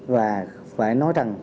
và phải nói rằng